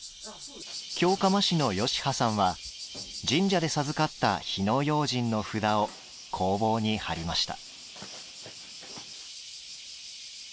京釜師の吉羽さんは神社で授かった火迺要慎の札を工房に貼りました。